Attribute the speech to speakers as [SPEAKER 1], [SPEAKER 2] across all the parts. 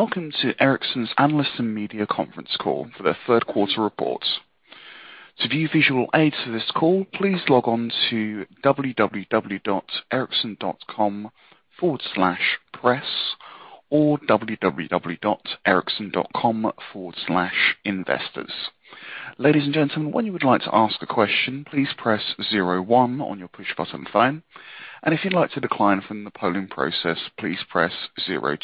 [SPEAKER 1] Welcome to Ericsson's analyst and media conference call for their third quarter report. To view visual aids for this call, please log on to www.ericsson.com/press or www.ericsson.com/investors. Ladies and gentlemen, when you would like to ask a question, please press zero one on your push button phone, and if you'd like to decline from the polling process, please press zero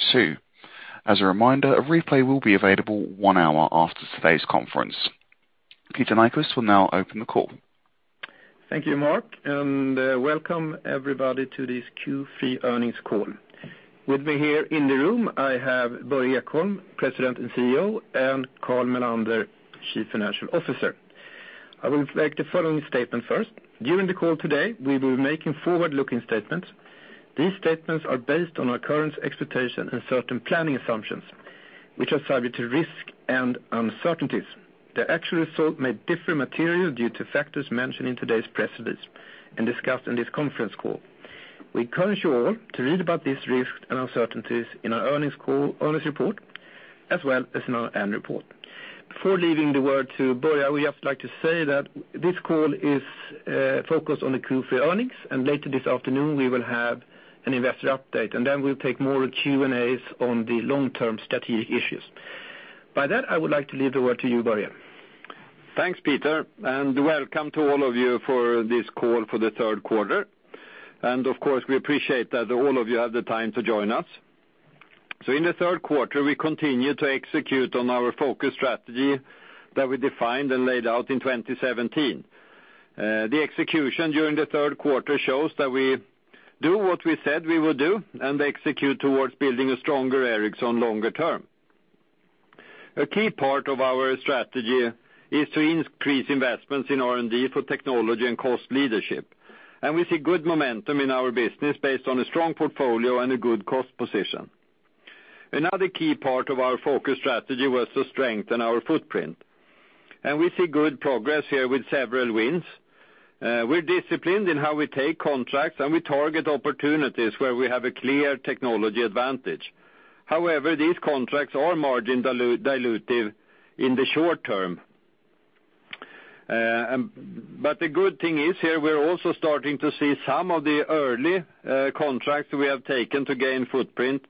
[SPEAKER 1] two. As a reminder, a replay will be available one hour after today's conference. Peter Nyquist will now open the call.
[SPEAKER 2] Thank you, Mark, and welcome everybody to this Q3 earnings call. With me here in the room, I have Börje Ekholm, President, and CEO, and Carl Mellander, Chief Financial Officer. I will make the following statement first. During the call today, we will be making forward-looking statements. These statements are based on our current expectations and certain planning assumptions, which are subject to risk and uncertainties. The actual result may differ materially due to factors mentioned in today's press release and discussed in this conference call. We encourage you all to read about these risks and uncertainties in our earnings report, as well as in our annual report. Before leaving the word to Börje, I would just like to say that this call is focused on the Q3 earnings, and later this afternoon we will have an investor update, and then we'll take more Q&As on the long-term strategic issues. By that, I would like to leave the word to you, Börje.
[SPEAKER 3] Thanks, Peter. Welcome to all of you for this call for the third quarter. Of course, we appreciate that all of you have the time to join us. In the third quarter, we continued to execute on our focus strategy that we defined and laid out in 2017. The execution during the third quarter shows that we do what we said we would do and execute towards building a stronger Ericsson longer term. A key part of our strategy is to increase investments in R&D for technology and cost leadership. We see good momentum in our business based on a strong portfolio and a good cost position. Another key part of our focus strategy was to strengthen our footprint. We see good progress here with several wins. We're disciplined in how we take contracts, and we target opportunities where we have a clear technology advantage. These contracts are margin dilutive in the short term. The good thing is here, we're also starting to see some of the early contracts we have taken to gain footprint,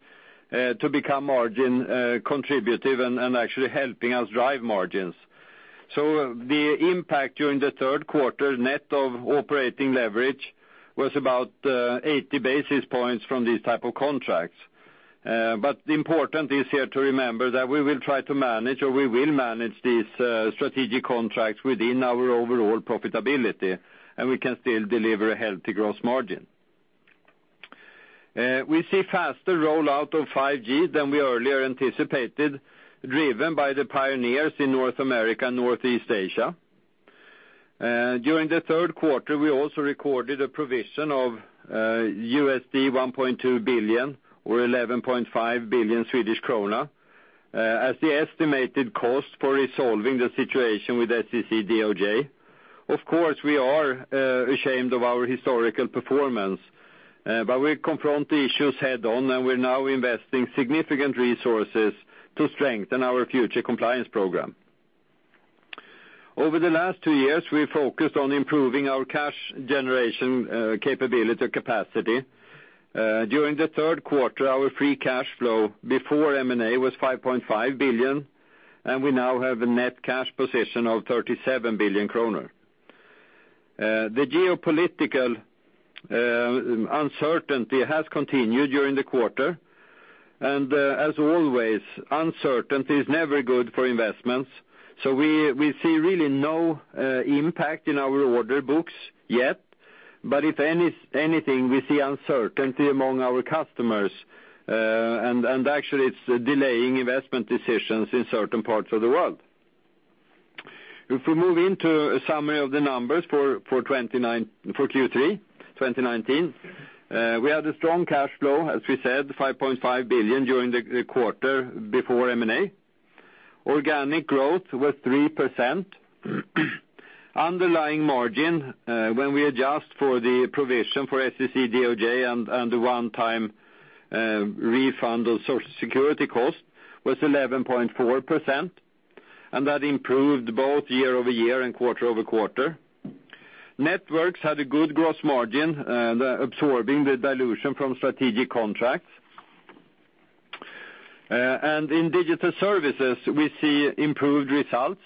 [SPEAKER 3] to become margin contributive and actually helping us drive margins. The impact during the third quarter net of operating leverage was about 80 basis points from these type of contracts. Important is here to remember that we will try to manage, or we will manage these strategic contracts within our overall profitability, and we can still deliver a healthy gross margin. We see faster rollout of 5G than we earlier anticipated, driven by the pioneers in North America and Northeast Asia. During the third quarter, we also recorded a provision of $1.2 billion or 11.5 billion Swedish krona, as the estimated cost for resolving the situation with SEC DOJ. Of course, we are ashamed of our historical performance, we confront the issues head-on and we are now investing significant resources to strengthen our future compliance program. Over the last two years, we focused on improving our cash generation capability capacity. During the third quarter, our free cash flow before M&A was 5.5 billion, and we now have a net cash position of 37 billion kronor. The geopolitical uncertainty has continued during the quarter, and as always, uncertainty is never good for investments. We see really no impact in our order books yet. If anything, we see uncertainty among our customers, and actually it is delaying investment decisions in certain parts of the world. If we move into a summary of the numbers for Q3 2019, we had a strong cash flow, as we said, 5.5 billion during the quarter before M&A. Organic growth was 3%. Underlying margin, when we adjust for the provision for SEC DOJ and the one-time refund of Social Security cost, was 11.4%, and that improved both year-over-year and quarter-over-quarter. Networks had a good gross margin, absorbing the dilution from strategic contracts. In Digital Services, we see improved results.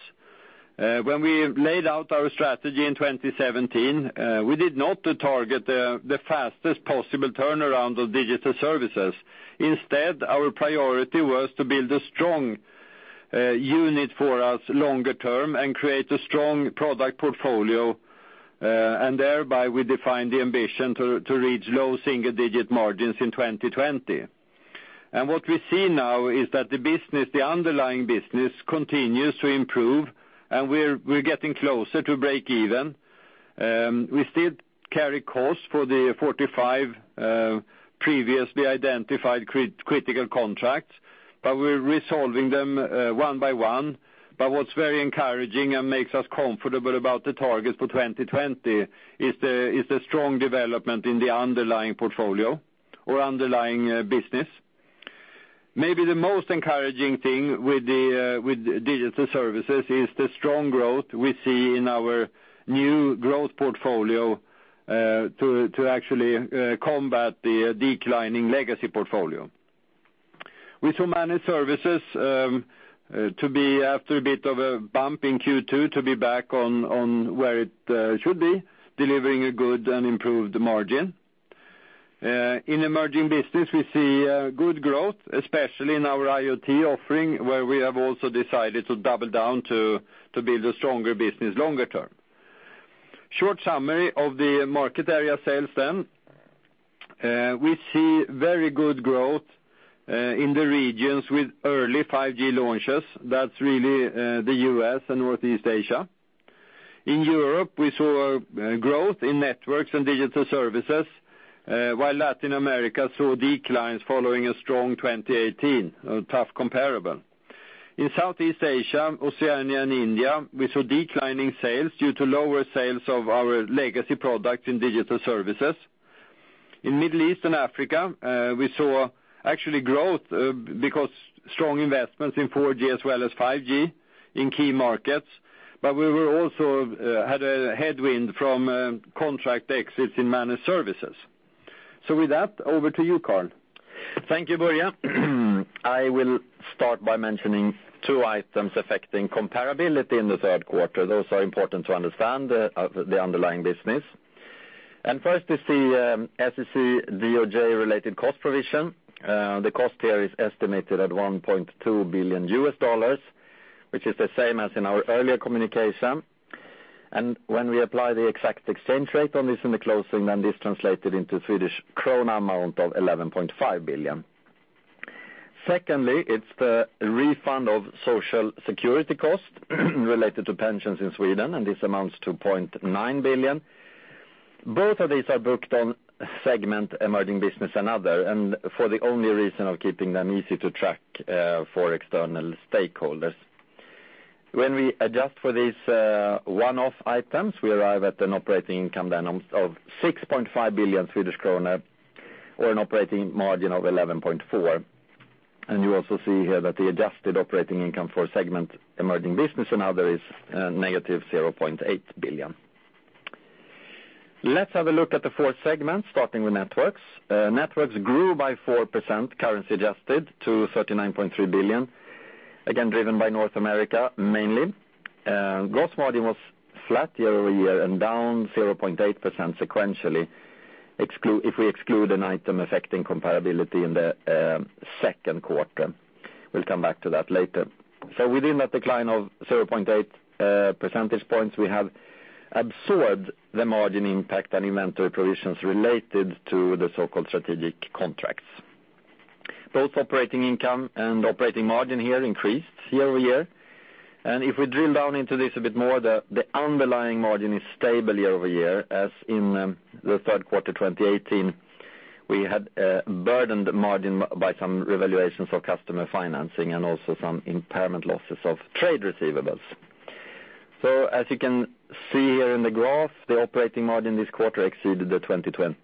[SPEAKER 3] When we laid out our strategy in 2017, we did not target the fastest possible turnaround of Digital Services. Instead, our priority was to build a strong unit for us longer term and create a strong product portfolio, thereby we defined the ambition to reach low single-digit margins in 2020. What we see now is that the business, the underlying business, continues to improve, and we're getting closer to break-even. We still carry costs for the 45 previously identified critical contracts, we're resolving them one by one. What's very encouraging and makes us comfortable about the targets for 2020 is the strong development in the underlying portfolio or underlying business. Maybe the most encouraging thing with digital services is the strong growth we see in our new growth portfolio to actually combat the declining legacy portfolio. With managed services, after a bit of a bump in Q2, to be back on where it should be, delivering a good and improved margin. In emerging business, we see good growth, especially in our IoT offering, where we have also decided to double down to build a stronger business longer term. Short summary of the market area sales. We see very good growth in the regions with early 5G launches. That's really the U.S. and Northeast Asia. In Europe, we saw growth in networks and digital services, while Latin America saw declines following a strong 2018, a tough comparable. In Southeast Asia, Oceania and India, we saw declining sales due to lower sales of our legacy product in digital services. In Middle East and Africa, we saw actually growth strong investments in 4G as well as 5G in key markets. We also had a headwind from contract exits in managed services. With that, over to you, Carl.
[SPEAKER 4] Thank you, Börje. I will start by mentioning two items affecting comparability in the third quarter. Those are important to understand the underlying business. First is the SEC/DOJ-related cost provision. The cost here is estimated at $1.2 billion, which is the same as in our earlier communication. When we apply the exact exchange rate on this in the closing, this translated into 11.5 billion. Secondly, it's the refund of Social Security cost related to pensions in Sweden, and this amounts to 0.9 billion. Both of these are booked on segment Emerging Business and Other, and for the only reason of keeping them easy to track for external stakeholders. When we adjust for these one-off items, we arrive at an operating income then of 6.5 billion Swedish kronor or an operating margin of 11.4%. You also see here that the adjusted operating income for segment Emerging Business and Other is negative 0.8 billion. Let's have a look at the four segments, starting with Networks. Networks grew by 4%, currency adjusted to 39.3 billion, again, driven by North America, mainly. Gross margin was flat year-over-year and down 0.8% sequentially, if we exclude an item affecting comparability in the second quarter. We'll come back to that later. Within that decline of 0.8 percentage points, we have absorbed the margin impact and inventory provisions related to the so-called strategic contracts. Both operating income and operating margin here increased year-over-year. If we drill down into this a bit more, the underlying margin is stable year-over-year, as in the third quarter 2018, we had burdened margin by some revaluations of customer financing and also some impairment losses of trade receivables. As you can see here in the graph, the operating margin this quarter exceeded the 2020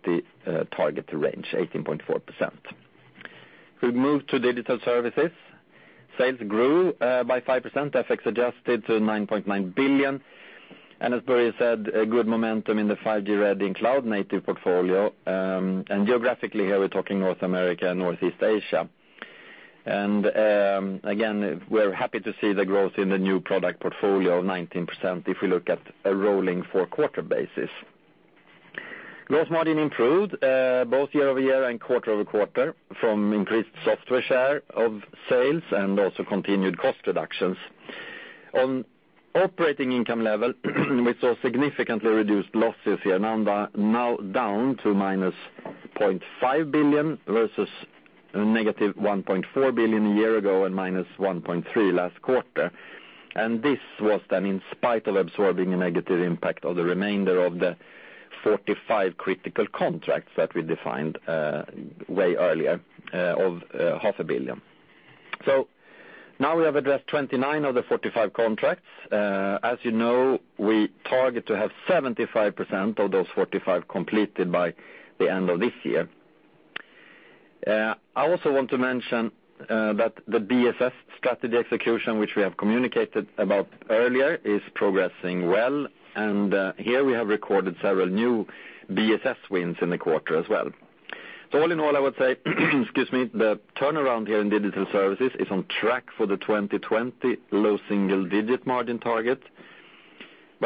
[SPEAKER 4] target range, 18.4%. We move to Digital Services. Sales grew by 5%, FX adjusted to 9.9 billion. As Börje said, a good momentum in the 5G ready and cloud-native portfolio. Geographically here, we're talking North America and Northeast Asia. Again, we're happy to see the growth in the new product portfolio of 19% if we look at a rolling four-quarter basis. Gross margin improved both year-over-year and quarter-over-quarter from increased software share of sales and also continued cost reductions. On operating income level, we saw significantly reduced losses here, now down to -0.5 billion versus -1.4 billion a year ago and -1.3 last quarter. This was then in spite of absorbing a negative impact of the remainder of the 45 critical contracts that we defined way earlier of SEK half a billion. Now we have addressed 29 of the 45 contracts. As you know, we target to have 75% of those 45 completed by the end of this year. I also want to mention that the BSS strategy execution, which we have communicated about earlier, is progressing well, and here we have recorded several new BSS wins in the quarter as well. All in all, I would say, excuse me, the turnaround here in digital services is on track for the 2020 low single-digit margin target.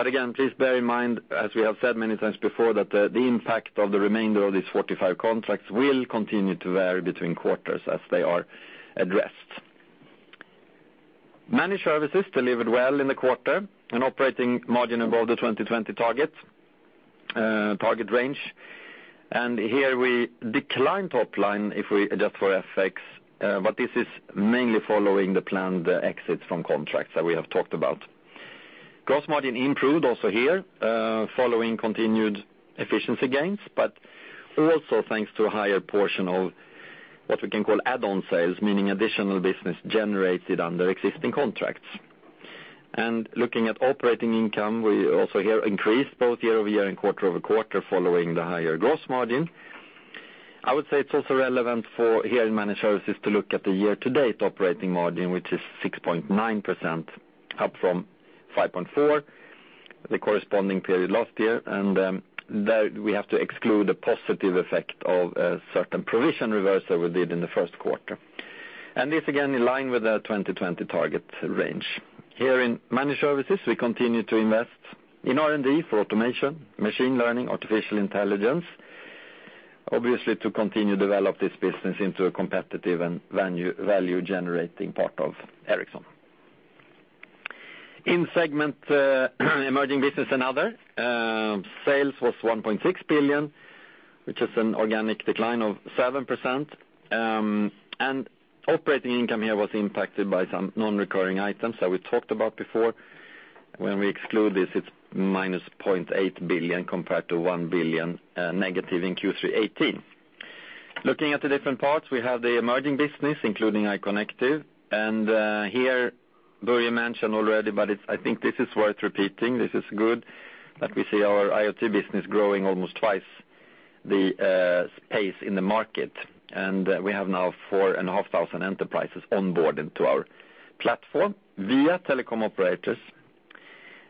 [SPEAKER 4] Again, please bear in mind, as we have said many times before, that the impact of the remainder of these 45 contracts will continue to vary between quarters as they are addressed. Managed services delivered well in the quarter, an operating margin above the 2020 target range. Here we declined top line if we adjust for FX, but this is mainly following the planned exits from contracts that we have talked about. Gross margin improved also here, following continued efficiency gains, but also thanks to a higher portion of what we can call add-on sales, meaning additional business generated under existing contracts. Looking at operating income, we also here increased both year-over-year and quarter-over-quarter following the higher gross margin. I would say it's also relevant for here in Managed Services to look at the year-to-date operating margin, which is 6.9%, up from 5.4%, the corresponding period last year. There we have to exclude a positive effect of a certain provision reversal we did in the first quarter. This, again, in line with our 2020 target range. Here in Managed Services, we continue to invest in R&D for automation, machine learning, artificial intelligence, obviously to continue to develop this business into a competitive and value-generating part of Ericsson. In segment Emerging Business and Other, sales was 1.6 billion, which is an organic decline of 7%. Operating income here was impacted by some non-recurring items that we talked about before. When we exclude this, it's minus 0.8 billion compared to 1 billion negative in Q3 2018. Looking at the different parts, we have the emerging business, including iconectiv. Here, Börje mentioned already, but I think this is worth repeating. This is good, that we see our IoT business growing almost twice the pace in the market. We have now 4,500 enterprises onboarded to our platform via telecom operators.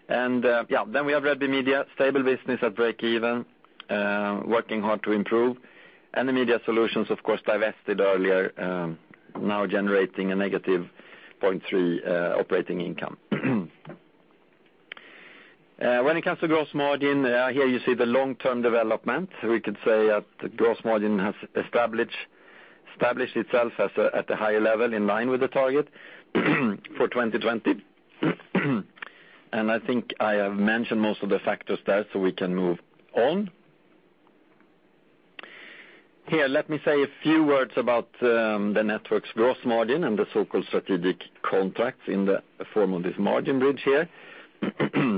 [SPEAKER 4] Then we have Red Bee Media, stable business at breakeven, working hard to improve. The Media Solutions, of course, divested earlier, now generating a negative 0.3 operating income. When it comes to gross margin, here you see the long-term development. We could say that gross margin has established itself at a higher level in line with the target for 2020. I think I have mentioned most of the factors there, so we can move on. Here, let me say a few words about the network's gross margin and the so-called strategic contracts in the form of this margin bridge here.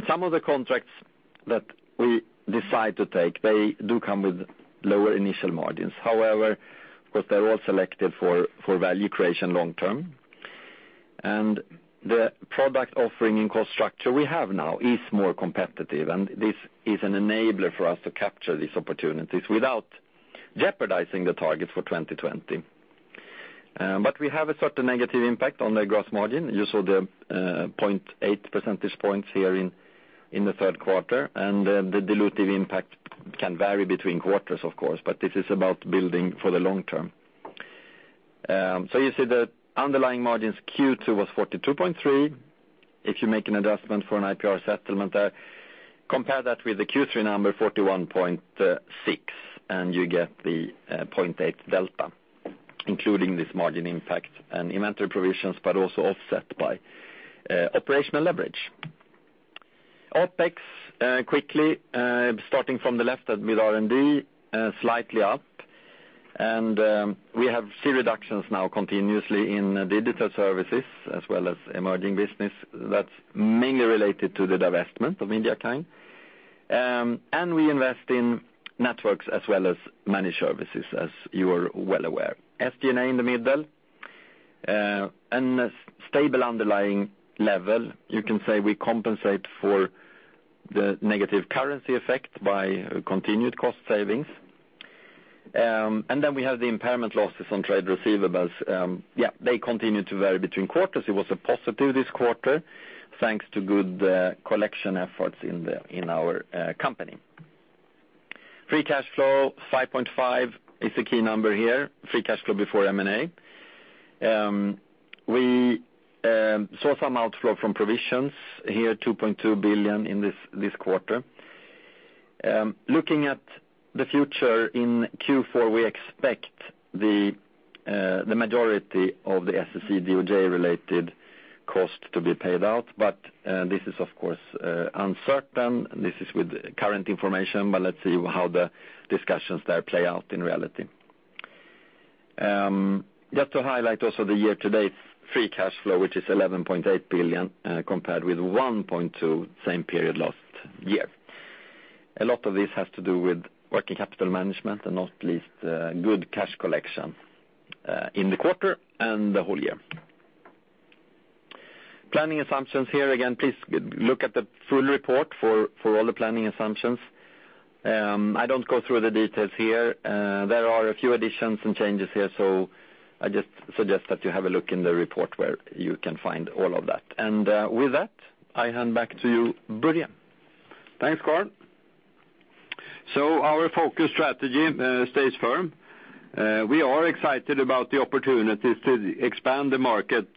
[SPEAKER 4] Some of the contracts that we decide to take, they do come with lower initial margins. However, because they're all selected for value creation long term, and the product offering and cost structure we have now is more competitive, and this is an enabler for us to capture these opportunities without jeopardizing the targets for 2020. We have a certain negative impact on the gross margin. You saw the 0.8 percentage points here in the third quarter, and the dilutive impact can vary between quarters, of course, but this is about building for the long term. You see the underlying margins, Q2 was 42.3%. If you make an adjustment for an IPR settlement there, compare that with the Q3 number, 41.6%, and you get the 0.8% delta, including this margin impact and inventory provisions, but also offset by operational leverage. OpEx, quickly, starting from the left with R&D, slightly up. We have see reductions now continuously in digital services as well as emerging business. That's mainly related to the divestment of MediaKind. We invest in networks as well as Managed Services, as you are well aware. SG&A in the middle, and a stable underlying level. You can say we compensate for the negative currency effect by continued cost savings. We have the impairment losses on trade receivables. They continue to vary between quarters. It was a positive this quarter, thanks to good collection efforts in our company. Free cash flow, 5.5 billion is the key number here. Free cash flow before M&A. We saw some outflow from provisions, here 2.2 billion in this quarter. Looking at the future in Q4, we expect the majority of the SEC DOJ-related cost to be paid out, but this is of course uncertain. This is with current information, but let's see how the discussions there play out in reality. Just to highlight also the year-to-date free cash flow, which is 11.8 billion, compared with 1.2 billion same period last year. A lot of this has to do with working capital management and not least good cash collection in the quarter and the whole year. Planning assumptions here. Again, please look at the full report for all the planning assumptions. I don't go through the details here. There are a few additions and changes here, so I just suggest that you have a look in the report where you can find all of that. With that, I hand back to you, Börje.
[SPEAKER 3] Thanks, Carl. Our focus strategy stays firm. We are excited about the opportunities to expand the market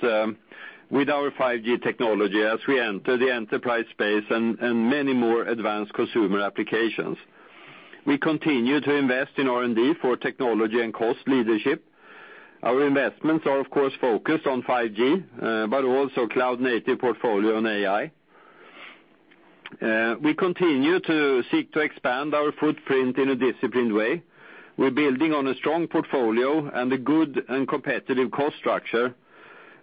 [SPEAKER 3] with our 5G technology as we enter the enterprise space and many more advanced consumer applications. We continue to invest in R&D for technology and cost leadership. Our investments are, of course, focused on 5G, but also cloud-native portfolio and AI. We continue to seek to expand our footprint in a disciplined way. We're building on a strong portfolio and a good and competitive cost structure.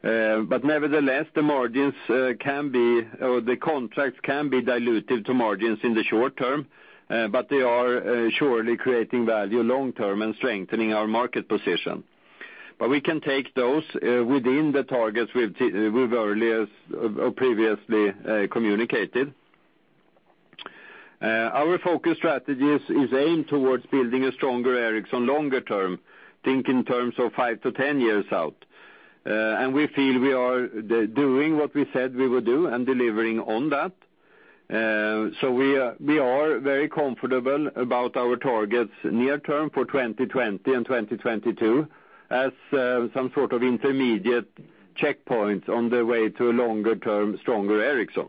[SPEAKER 3] Nevertheless, the contracts can be dilutive to margins in the short term, but they are surely creating value long term and strengthening our market position. We can take those within the targets we've previously communicated. Our focus strategy is aimed towards building a stronger Ericsson longer term, think in terms of 5-10 years out. We feel we are doing what we said we would do and delivering on that. We are very comfortable about our targets near term for 2020 and 2022 as some sort of intermediate checkpoint on the way to a longer term stronger Ericsson.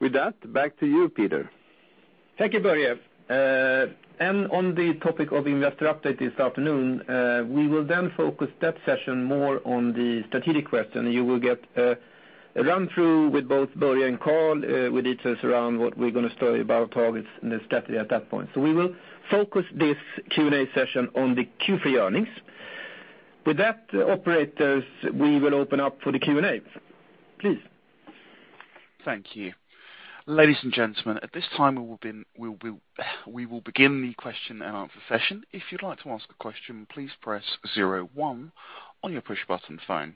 [SPEAKER 3] With that, back to you, Peter.
[SPEAKER 2] Thank you, Börje. On the topic of investor update this afternoon, we will then focus that session more on the strategic question. You will get a run through with both Börje and Carl with details around what we're going to say about targets at that point. We will focus this Q&A session on the Q3 earnings. With that, operators, we will open up for the Q&A. Please.
[SPEAKER 1] Thank you. Ladies and gentlemen, at this time we will begin the question and answer session. If you'd like to ask a question, please press 01 on your push button phone.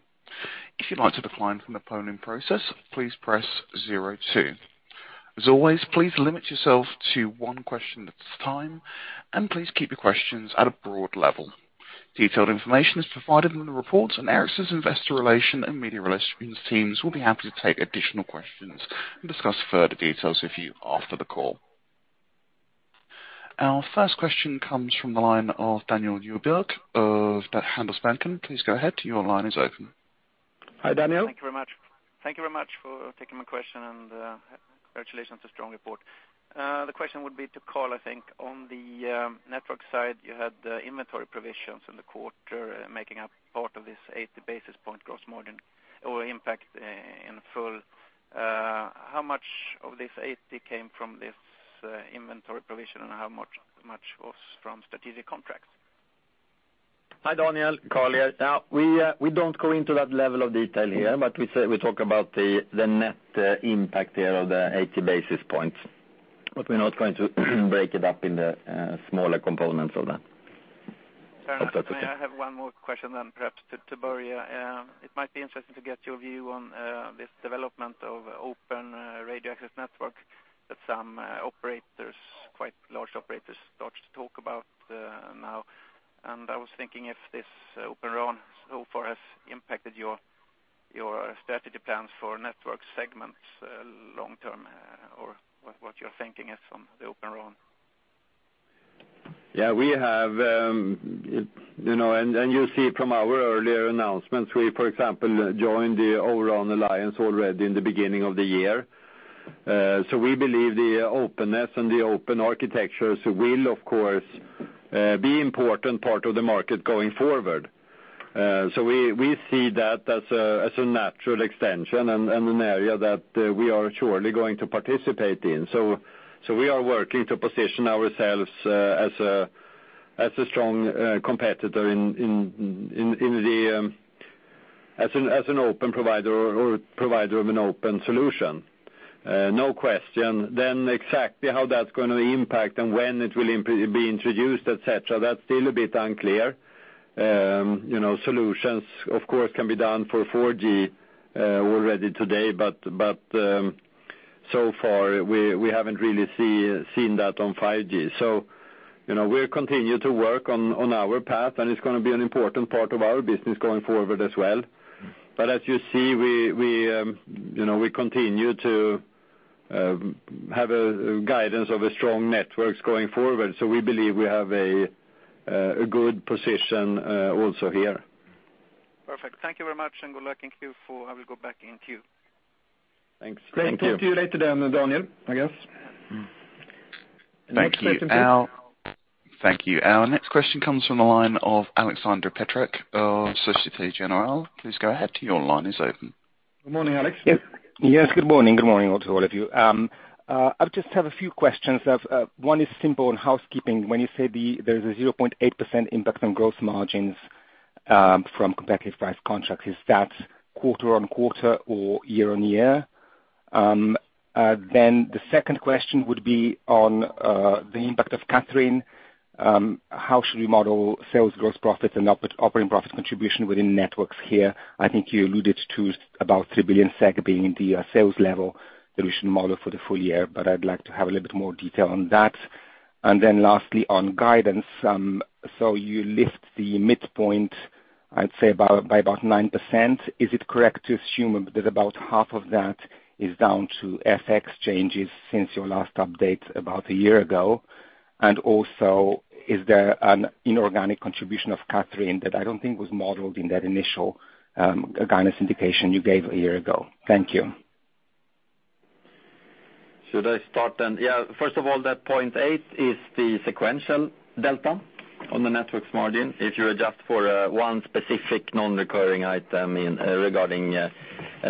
[SPEAKER 1] If you'd like to decline from the polling process, please press 02. As always, please limit yourself to one question at a time, and please keep your questions at a broad level. Detailed information is provided in the reports, and Ericsson's investor relation and media relations teams will be happy to take additional questions and discuss further details with you after the call. Our first question comes from the line of Daniel Djurberg of Handelsbanken. Please go ahead. Your line is open.
[SPEAKER 2] Hi, Daniel.
[SPEAKER 5] Thank you very much. Thank you very much for taking my question, and congratulations for strong report. The question would be to Carl, I think, on the network side, you had the inventory provisions in the quarter making up part of this 80 basis point gross margin or impact in full. How much of this 80 came from this inventory provision and how much was from strategic contracts?
[SPEAKER 4] Hi, Daniel. Carl here. We don't go into that level of detail here. We talk about the net impact here of the 80 basis points. We're not going to break it up in the smaller components of that.
[SPEAKER 5] Fair enough.
[SPEAKER 4] Hope that's okay.
[SPEAKER 5] I have one more question perhaps to Börje. It might be interesting to get your view on this development of Open Radio Access Network that some operators, quite large operators, start to talk about now. I was thinking if this Open RAN so far has impacted your strategy plans for network segments long term, or what your thinking is on the Open RAN.
[SPEAKER 3] Yeah. You see from our earlier announcements, we, for example, joined the O-RAN Alliance already in the beginning of the year. We believe the openness and the open architectures will of course be important part of the market going forward. We see that as a natural extension and an area that we are surely going to participate in. We are working to position ourselves as a strong competitor, as an open provider or provider of an open solution. No question. Exactly how that's going to impact and when it will be introduced, et cetera, that's still a bit unclear. Solutions of course, can be done for 4G already today, but so far we haven't really seen that on 5G. We'll continue to work on our path, and it's going to be an important part of our business going forward as well. As you see, we continue to have a guidance of a strong networks going forward. We believe we have a good position also here.
[SPEAKER 5] Perfect. Thank you very much, and good luck in Q4. I will go back in queue.
[SPEAKER 3] Thanks. Thank you.
[SPEAKER 2] Great. Talk to you later then, Daniel, I guess.
[SPEAKER 1] Thank you. Our next question comes from the line of Alexandre Duval of Societe Generale. Please go ahead. Your line is open.
[SPEAKER 2] Good morning, Alex.
[SPEAKER 6] Yes. Good morning. Good morning to all of you. I just have a few questions. One is simple on housekeeping. When you say there's a 0.8% impact on gross margins from competitive price contracts, is that quarter-on-quarter or year-on-year? The second question would be on the impact of Kathrein. How should we model sales, gross profits, and operating profits contribution within networks here? I think you alluded to about 3 billion SEK being the sales level that we should model for the full year, but I'd like to have a little bit more detail on that. Lastly, on guidance. You lift the midpoint, I'd say by about 9%. Is it correct to assume that about half of that is down to FX changes since your last update about a year ago? Is there an inorganic contribution of Kathrein that I don't think was modeled in that initial guidance indication you gave a year ago? Thank you.
[SPEAKER 4] Should I start? First of all, that 0.8 is the sequential delta on the networks margin, if you adjust for one specific non-recurring item regarding an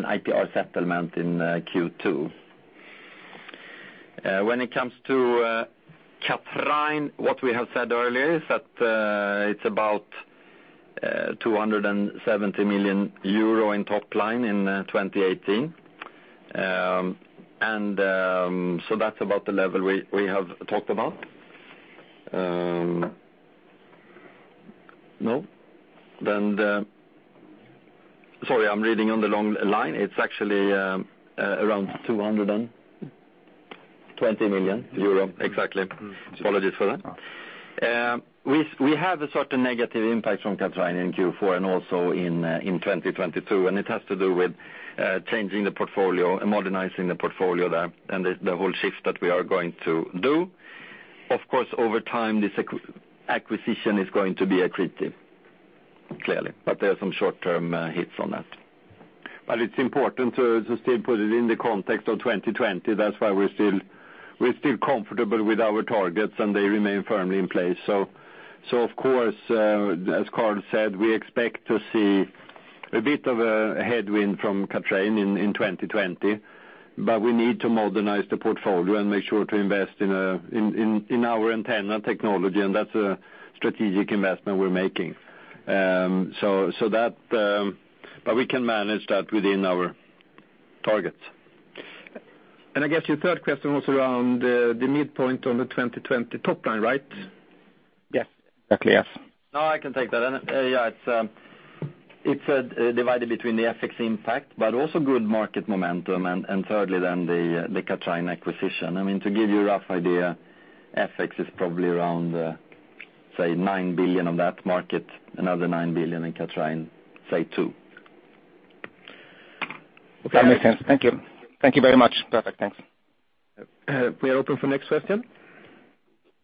[SPEAKER 4] IPR settlement in Q2. When it comes to Kathrein, what we have said earlier is that it's about 270 million euro in top line in 2018. That's about the level we have talked about. No? Sorry, I'm reading on the long line, it's actually around 220 million euro. Exactly. Apologies for that. We have a certain negative impact from Kathrein in Q4 and also in 2022, and it has to do with changing the portfolio and modernizing the portfolio there and the whole shift that we are going to do. Of course, over time, this acquisition is going to be accretive. Clearly. There are some short-term hits on that. It's important to still put it in the context of 2020.
[SPEAKER 3] That's why we're still comfortable with our targets, and they remain firmly in place. Of course, as Carl said, we expect to see a bit of a headwind from Kathrein in 2020, but we need to modernize the portfolio and make sure to invest in our antenna technology, and that's a strategic investment we're making. We can manage that within our targets. I guess your third question was around the midpoint on the 2020 top line, right?
[SPEAKER 6] Yes. Exactly, yes.
[SPEAKER 4] No, I can take that. Yeah, it's divided between the FX impact, but also good market momentum, and thirdly, then the Kathrein acquisition. I mean, to give you a rough idea, FX is probably around, say, 9 billion on that market, another 9 billion in Kathrein, say SEK two.
[SPEAKER 6] That makes sense. Thank you. Thank you very much. Perfect. Thanks.
[SPEAKER 2] We are open for next question.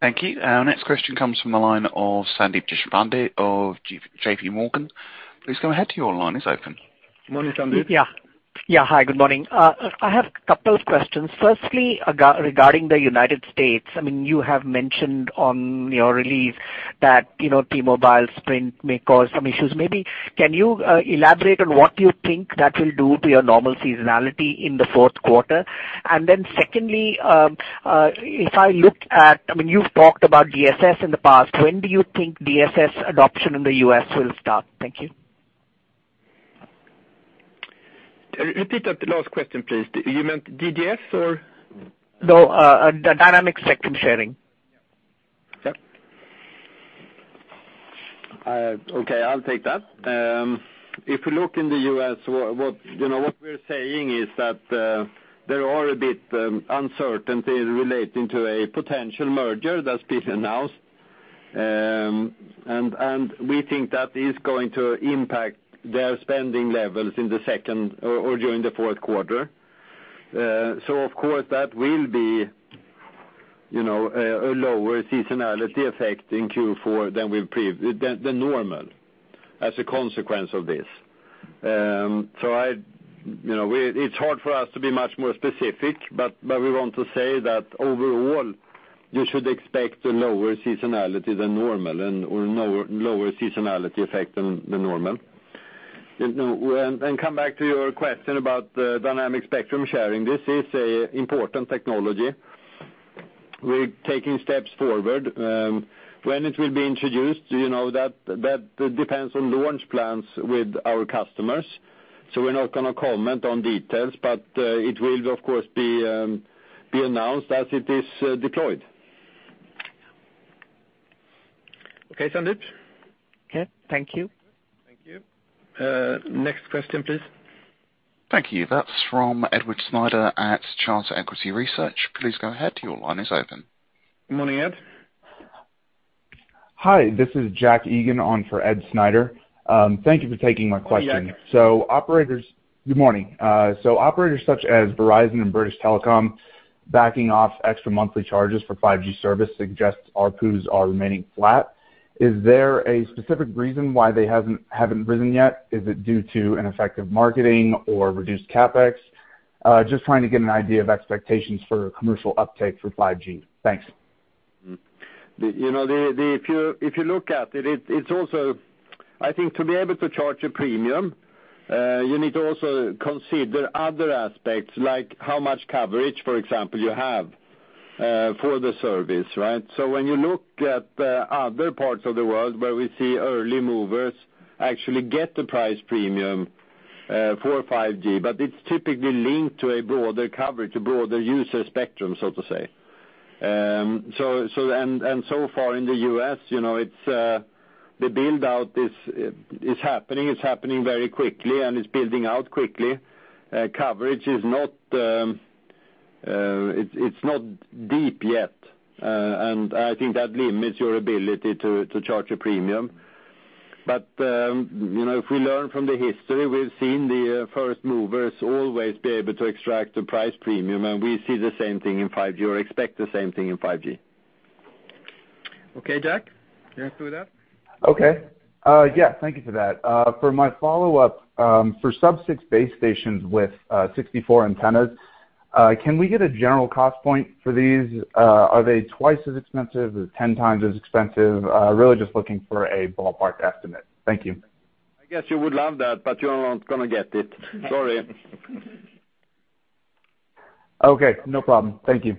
[SPEAKER 1] Thank you. Our next question comes from the line of Sandeep Deshpande of JPMorgan. Please go ahead, your line is open.
[SPEAKER 2] Morning, Sandeep.
[SPEAKER 7] Yeah. Hi, good morning. I have a couple of questions. Firstly, regarding the United States. You have mentioned on your release that T-Mobile, Sprint may cause some issues. Maybe, can you elaborate on what you think that will do to your normal seasonality in the fourth quarter? Secondly, you've talked about DSS in the past. When do you think DSS adoption in the U.S. will start? Thank you.
[SPEAKER 3] Repeat that last question, please. You meant DSS or?
[SPEAKER 7] No, dynamic spectrum sharing.
[SPEAKER 3] Yep. Okay, I'll take that. If you look in the U.S., what we're saying is that there are a bit uncertainty relating to a potential merger that's been announced. We think that is going to impact their spending levels in the second or during the fourth quarter. Of course, that will be a lower seasonality effect in Q4 than normal, as a consequence of this. It's hard for us to be much more specific, we want to say that overall, you should expect a lower seasonality than normal, or lower seasonality effect than normal. Come back to your question about dynamic spectrum sharing. This is an important technology. We're taking steps forward. When it will be introduced, that depends on launch plans with our customers. We're not going to comment on details, it will, of course, be announced as it is deployed. Okay, Sandeep?
[SPEAKER 7] Okay. Thank you.
[SPEAKER 3] Thank you. Next question, please.
[SPEAKER 1] Thank you. That's from Edward Snyder at Charter Equity Research. Please go ahead. Your line is open.
[SPEAKER 2] Morning, Ed.
[SPEAKER 8] Hi, this is Jack Egan on for Ed Snyder. Thank you for taking my question.
[SPEAKER 3] Hi, Jack.
[SPEAKER 8] Operators such as Verizon and British Telecom backing off extra monthly charges for 5G service suggests ARPUs are remaining flat. Is there a specific reason why they haven't risen yet? Is it due to ineffective marketing or reduced CapEx? Just trying to get an idea of expectations for commercial uptake for 5G. Thanks.
[SPEAKER 3] If you look at it, I think to be able to charge a premium, you need to also consider other aspects, like how much coverage, for example, you have for the service, right? When you look at other parts of the world where we see early movers actually get the price premium for 5G, but it's typically linked to a broader coverage, a broader user spectrum, so to say. So far in the U.S., the build-out is happening, it's happening very quickly, and it's building out quickly. Coverage, it's not deep yet. I think that limits your ability to charge a premium. If we learn from the history, we've seen the first movers always be able to extract a price premium, and we see the same thing in 5G, or expect the same thing in 5G. Okay, Jack, you happy with that?
[SPEAKER 8] Okay. Yeah, thank you for that. For my follow-up, for sub-6 base stations with 64 antennas, can we get a general cost point for these? Are they twice as expensive, or 10 times as expensive? Really just looking for a ballpark estimate. Thank you.
[SPEAKER 3] I guess you would love that, but you're not going to get it. Sorry.
[SPEAKER 8] Okay. No problem. Thank you.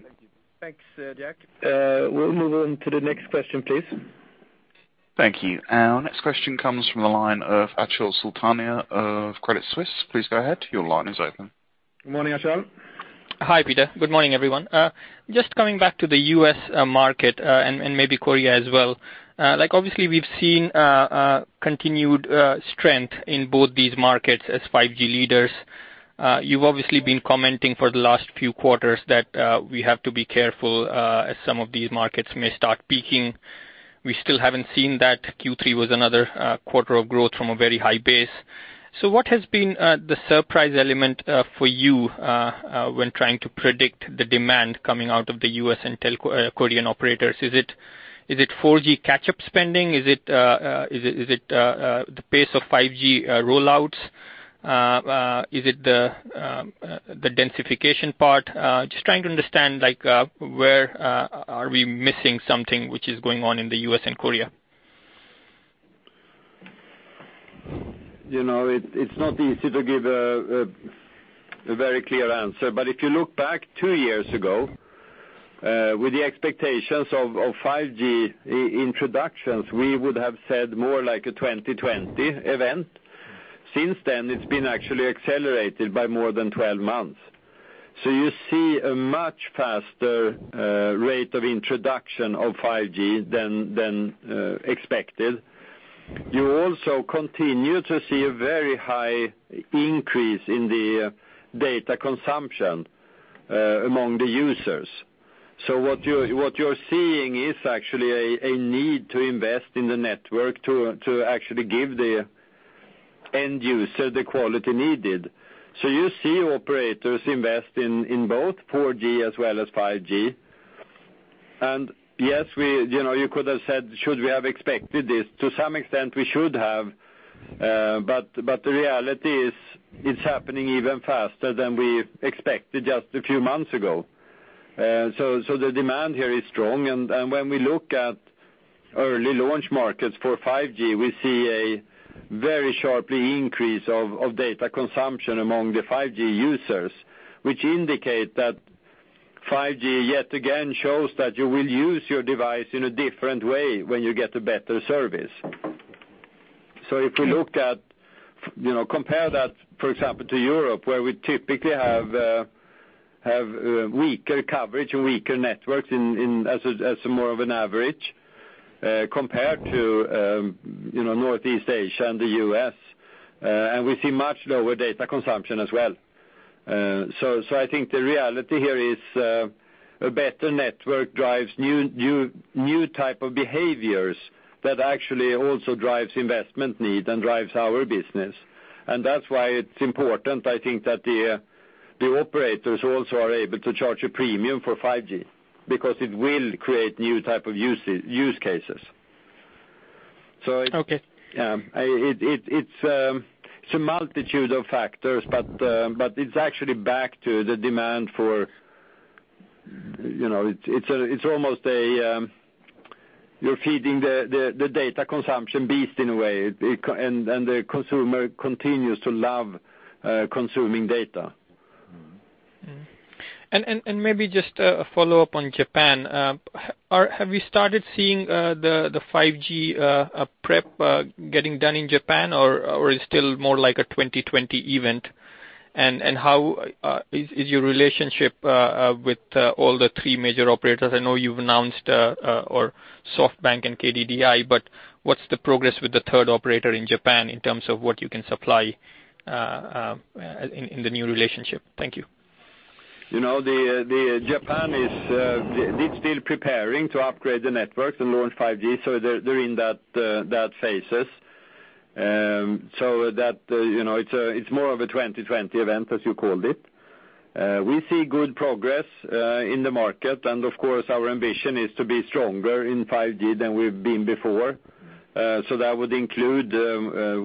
[SPEAKER 3] Thanks, Jack. We'll move on to the next question, please.
[SPEAKER 1] Thank you. Our next question comes from the line of Achal Sultania of Credit Suisse. Please go ahead. Your line is open.
[SPEAKER 2] Good morning, Achal.
[SPEAKER 9] Hi, Peter. Good morning, everyone. Coming back to the U.S. market, and maybe Korea as well. We've seen continued strength in both these markets as 5G leaders. You've obviously been commenting for the last few quarters that we have to be careful as some of these markets may start peaking. We still haven't seen that. Q3 was another quarter of growth from a very high base. What has been the surprise element for you when trying to predict the demand coming out of the U.S. and Korean operators? Is it 4G catch-up spending? Is it the pace of 5G roll-outs? Is it the densification part? Trying to understand where are we missing something which is going on in the U.S. and Korea?
[SPEAKER 3] It's not easy to give a very clear answer, but if you look back two years ago, with the expectations of 5G introductions, we would have said more like a 2020 event. Since then, it's been actually accelerated by more than 12 months. You see a much faster rate of introduction of 5G than expected. You also continue to see a very high increase in the data consumption among the users. What you're seeing is actually a need to invest in the network to actually give the end user the quality needed. You see operators invest in both 4G as well as 5G. Yes, you could have said, should we have expected this? To some extent, we should have, but the reality is it's happening even faster than we expected just a few months ago. The demand here is strong, and when we look at early launch markets for 5G, we see a very sharp increase of data consumption among the 5G users, which indicate that 5G yet again shows that you will use your device in a different way when you get a better service. If we compare that, for example, to Europe, where we typically have weaker coverage, weaker networks as more of an average compared to Northeast Asia and the U.S., and we see much lower data consumption as well. I think the reality here is a better network drives new type of behaviors that actually also drives investment need and drives our business. That's why it's important, I think, that the operators also are able to charge a premium for 5G, because it will create new type of use cases.
[SPEAKER 9] Okay.
[SPEAKER 3] It's a multitude of factors. It's actually back to it's almost you're feeding the data consumption beast in a way. The consumer continues to love consuming data.
[SPEAKER 9] Maybe just a follow-up on Japan. Have you started seeing the 5G prep getting done in Japan, or is it still more like a 2020 event? How is your relationship with all the three major operators? I know you've announced SoftBank and KDDI, but what's the progress with the third operator in Japan in terms of what you can supply in the new relationship? Thank you.
[SPEAKER 3] Japan is still preparing to upgrade the network to launch 5G, so they're in that phases. It's more of a 2020 event, as you called it. We see good progress in the market, and of course, our ambition is to be stronger in 5G than we've been before. That would include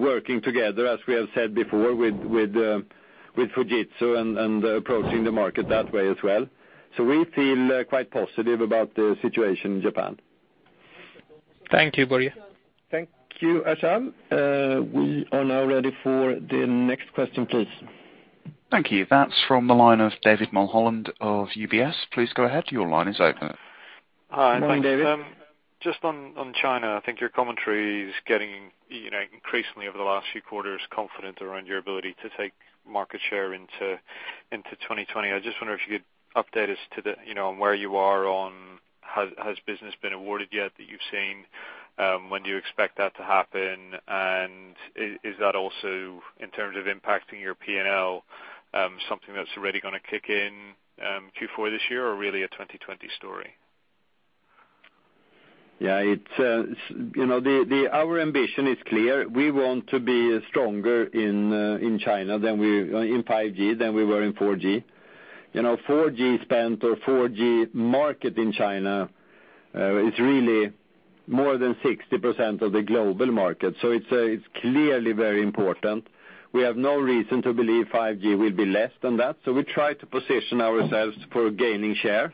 [SPEAKER 3] working together, as we have said before, with Fujitsu and approaching the market that way as well. We feel quite positive about the situation in Japan.
[SPEAKER 9] Thank you, Börje.
[SPEAKER 3] Thank you, Achal. We are now ready for the next question, please.
[SPEAKER 1] Thank you. That's from the line of David Mulholland of UBS. Please go ahead. Your line is open.
[SPEAKER 10] Hi, and thank you.
[SPEAKER 2] Morning, David.
[SPEAKER 10] Just on China, I think your commentary is getting increasingly over the last few quarters confident around your ability to take market share into 2020. I just wonder if you could update us on where you are on, has business been awarded yet that you've seen? When do you expect that to happen? Is that also, in terms of impacting your P&L, something that's already gonna kick in Q4 this year or really a 2020 story?
[SPEAKER 3] Our ambition is clear. We want to be stronger in 5G than we were in 4G. 4G market in China is really more than 60% of the global market. It's clearly very important. We have no reason to believe 5G will be less than that, so we try to position ourselves for gaining share.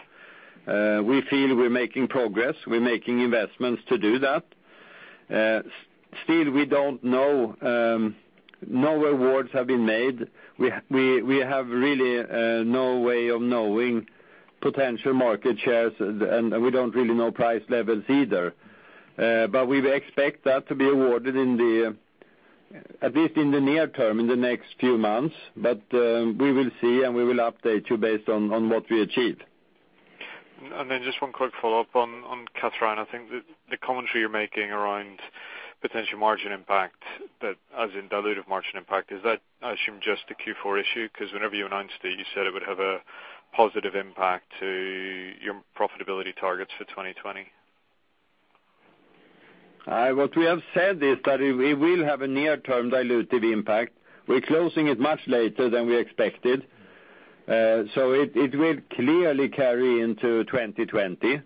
[SPEAKER 3] We feel we're making progress. We're making investments to do that. We don't know. No awards have been made. We have really no way of knowing potential market shares, and we don't really know price levels either. We expect that to be awarded, at least in the near term, in the next few months. We will see, and we will update you based on what we achieve.
[SPEAKER 10] Just one quick follow-up on Kathrein. I think the commentary you're making around potential margin impact, as in dilutive margin impact, is that, I assume, just a Q4 issue? Because whenever you announced it, you said it would have a positive impact to your profitability targets for 2020.
[SPEAKER 3] What we have said is that it will have a near-term dilutive impact. We're closing it much later than we expected. It will clearly carry into 2020.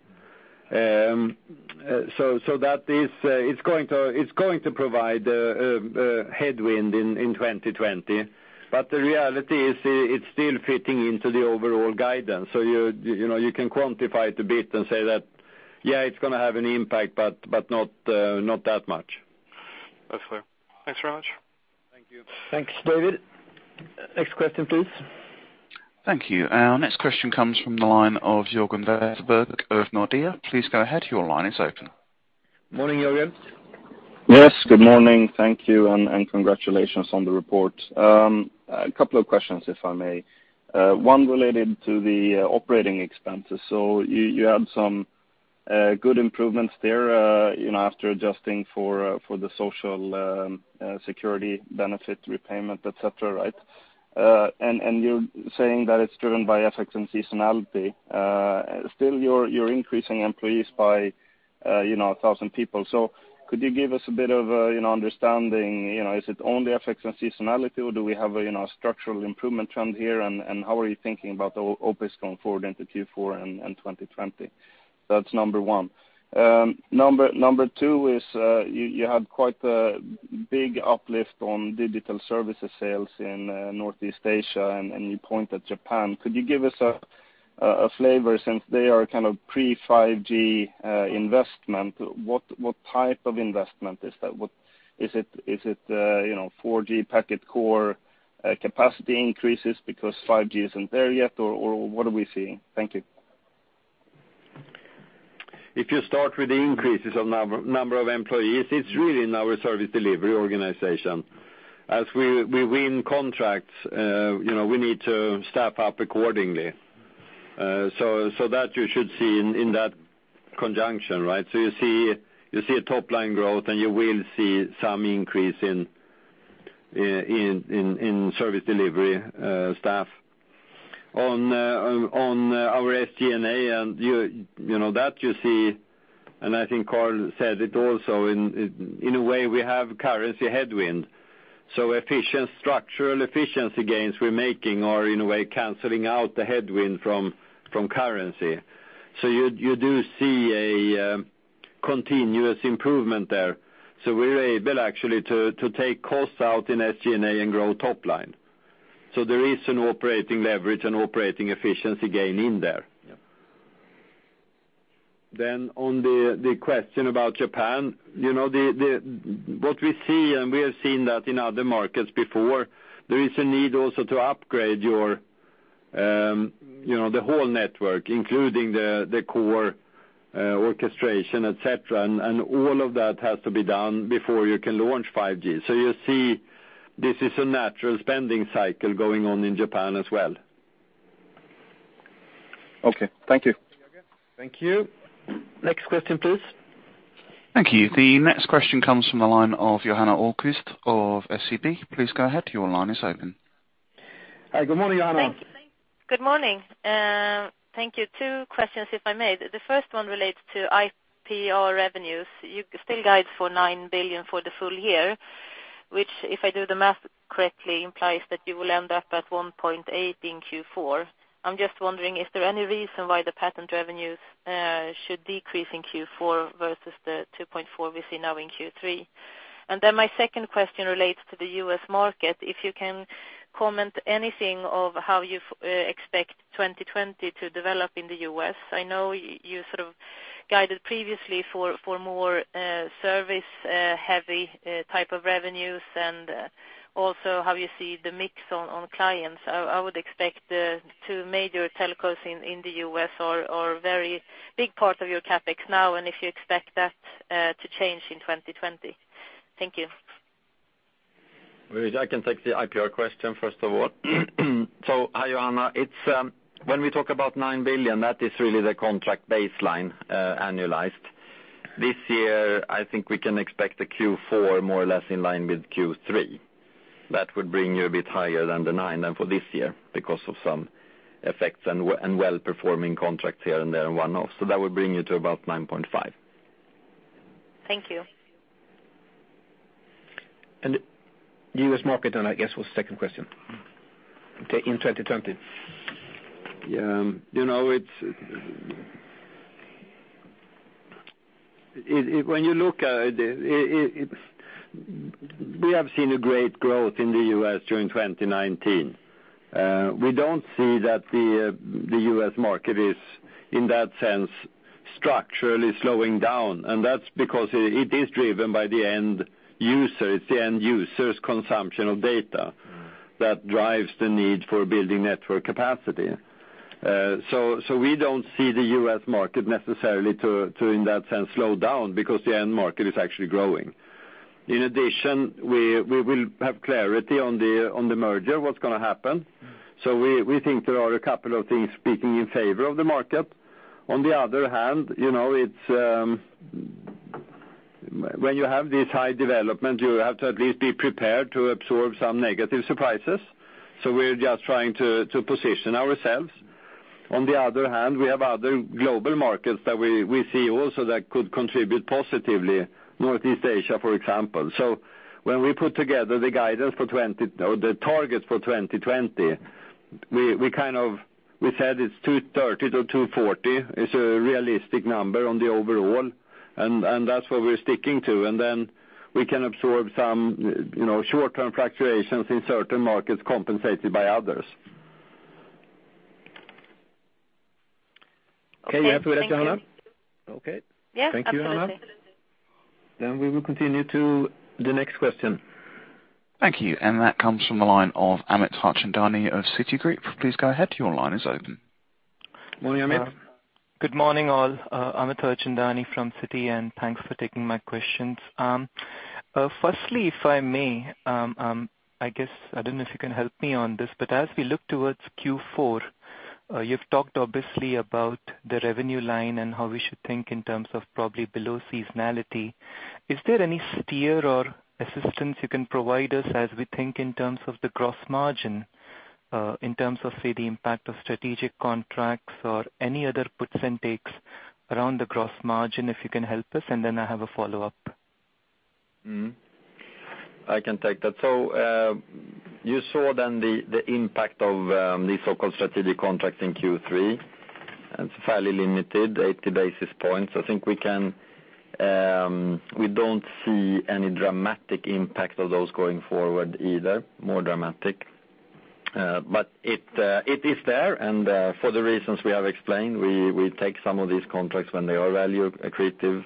[SPEAKER 3] It's going to provide a headwind in 2020. The reality is it's still fitting into the overall guidance. You can quantify it a bit and say that, yeah, it's going to have an impact, but not that much.
[SPEAKER 10] That's clear. Thanks very much.
[SPEAKER 3] Thank you.
[SPEAKER 2] Thanks, David. Next question, please.
[SPEAKER 1] Thank you. Our next question comes from the line of Joakim Bergman of Nordea. Please go ahead. Your line is open.
[SPEAKER 2] Morning, Joakim.
[SPEAKER 11] Yes, good morning. Thank you, and congratulations on the report. A couple of questions, if I may. One related to the operating expenses. You had some good improvements there, after adjusting for the Social Security benefit repayment, et cetera. You're saying that it's driven by FX and seasonality. Still, you're increasing employees by 1,000 people. Could you give us a bit of understanding? Is it only FX and seasonality, or do we have a structural improvement trend here? How are you thinking about OpEx going forward into Q4 and 2020? That's number one. Number two is you had quite a big uplift on digital services sales in Northeast Asia, and you point at Japan. Could you give us a flavor, since they are pre-5G investment? What type of investment is that? Is it 4G packet core capacity increases because 5G isn't there yet, or what are we seeing? Thank you.
[SPEAKER 3] If you start with the increases of number of employees, it's really in our service delivery organization. As we win contracts we need to staff up accordingly. That you should see in that conjunction. You see a top-line growth, and you will see some increase in service delivery staff. On our SG&A, that you see, and I think Carl said it also, in a way, we have currency headwind. Efficient structural efficiency gains we're making are, in a way, canceling out the headwind from currency. You do see a continuous improvement there. We're able, actually, to take costs out in SG&A and grow top-line. There is an operating leverage and operating efficiency gain in there.
[SPEAKER 11] Yeah.
[SPEAKER 3] On the question about Japan. What we see, and we have seen that in other markets before, there is a need also to upgrade the whole network, including the core orchestration, et cetera. All of that has to be done before you can launch 5G. You see this is a natural spending cycle going on in Japan as well.
[SPEAKER 11] Okay. Thank you.
[SPEAKER 2] Thank you. Next question, please.
[SPEAKER 1] Thank you. The next question comes from the line of Johanna Ahlqvist of SEB. Please go ahead. Your line is open.
[SPEAKER 2] Hi. Good morning, Johanna.
[SPEAKER 12] Thank you. Good morning. Thank you. Two questions, if I may. The first one relates to IPR revenues. You still guide for 9 billion for the full year, which, if I do the math correctly, implies that you will end up at 1.8 billion in Q4. I'm just wondering, is there any reason why the patent revenues should decrease in Q4 versus the 2.4 billion we see now in Q3? My second question relates to the U.S. market. If you can comment anything of how you expect 2020 to develop in the U.S. I know you sort of guided previously for more service-heavy type of revenues, and also how you see the mix on clients. I would expect the two major telcos in the U.S. are a very big part of your CapEx now, and if you expect that to change in 2020. Thank you.
[SPEAKER 4] I can take the IPR question, first of all. Hi, Johanna. When we talk about 9 billion, that is really the contract baseline annualized. This year, I think we can expect a Q4 more or less in line with Q3. That would bring you a bit higher than the 9 billion for this year because of some effects and well-performing contracts here and there, and one-offs. That would bring you to about 9.5 billion.
[SPEAKER 12] Thank you.
[SPEAKER 2] The U.S. market then, I guess, was the second question. In 2020.
[SPEAKER 3] When you look at it, we have seen a great growth in the U.S. during 2019. We don't see that the U.S. market is, in that sense, structurally slowing down. That's because it is driven by the end user. It's the end user's consumption of data that drives the need for building network capacity. We don't see the U.S. market necessarily to, in that sense, slow down because the end market is actually growing. In addition, we will have clarity on the merger, what's going to happen. We think there are a couple of things speaking in favor of the market. On the other hand, when you have this high development, you have to at least be prepared to absorb some negative surprises. We're just trying to position ourselves. On the other hand, we have other global markets that we see also that could contribute positively, Northeast Asia, for example. When we put together the targets for 2020, we said it's 230-240 is a realistic number on the overall, and that's what we're sticking to. Then we can absorb some short-term fluctuations in certain markets compensated by others. Okay, you happy with it, Johanna?
[SPEAKER 12] Yes, absolutely.
[SPEAKER 2] Okay. Thank you, Johanna. We will continue to the next question.
[SPEAKER 1] Thank you. That comes from the line of Amit Harchandani of Citigroup. Please go ahead. Your line is open.
[SPEAKER 2] Morning, Amit.
[SPEAKER 13] Good morning, all. Amit Harchandani from Citi. Thanks for taking my questions. Firstly, if I may, I guess I don't know if you can help me on this. As we look towards Q4, you've talked obviously about the revenue line and how we should think in terms of probably below seasonality. Is there any steer or assistance you can provide us as we think in terms of the gross margin, in terms of, say, the impact of strategic contracts or any other puts and takes around the gross margin, if you can help us? I have a follow-up.
[SPEAKER 4] I can take that. You saw then the impact of the so-called strategic contracts in Q3. It's fairly limited, 80 basis points. I think we don't see any dramatic impact of those going forward either, more dramatic. It is there, and for the reasons we have explained, we take some of these contracts when they are value accretive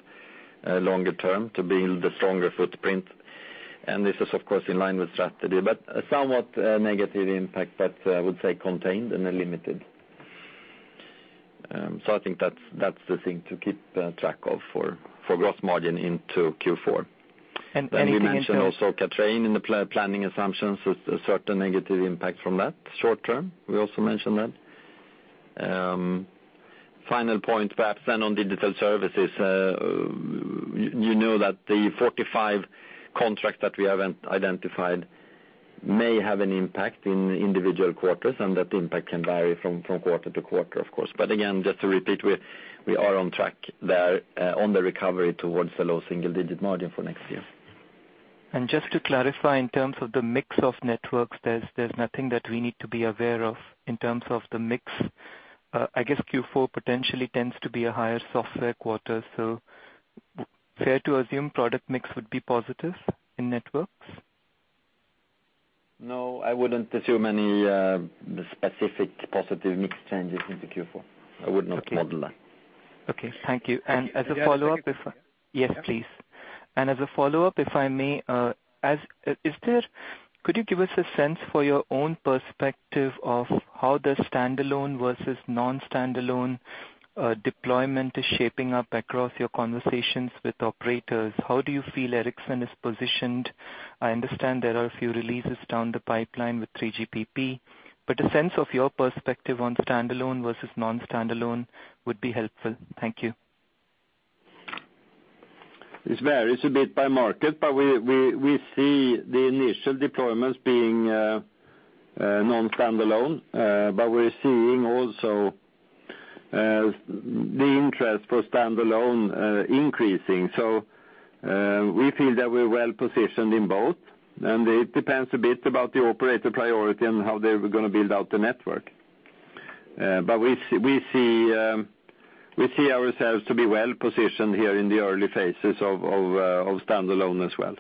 [SPEAKER 4] longer term to build a stronger footprint. This is, of course, in line with strategy, but a somewhat negative impact, but I would say contained and limited. I think that's the thing to keep track of for gross margin into Q4. And anything in terms- We mentioned also Kathrein in the planning assumptions, a certain negative impact from that short term. We also mentioned that. Final point, perhaps then on digital services, you know that the 45 contracts that we have identified may have an impact in individual quarters, and that impact can vary from quarter-to-quarter, of course. Again, just to repeat, we are on track there on the recovery towards the low single-digit margin for next year.
[SPEAKER 13] Just to clarify, in terms of the mix of Networks, there's nothing that we need to be aware of in terms of the mix? I guess Q4 potentially tends to be a higher software quarter, fair to assume product mix would be positive in Networks?
[SPEAKER 4] I wouldn't assume any specific positive mix changes into Q4. I would not model that.
[SPEAKER 13] Okay. Thank you.
[SPEAKER 4] Yes.
[SPEAKER 13] Yes, please. As a follow-up, if I may, could you give us a sense for your own perspective of how the standalone versus non-standalone deployment is shaping up across your conversations with operators? How do you feel Ericsson is positioned? I understand there are a few releases down the pipeline with 3GPP, but a sense of your perspective on standalone versus non-standalone would be helpful. Thank you.
[SPEAKER 3] It varies a bit by market, we see the initial deployments being non-standalone. We're seeing also the interest for standalone increasing. We feel that we're well-positioned in both, and it depends a bit about the operator priority and how they're going to build out the network. We see ourselves to be well-positioned here in the early phases of standalone as well.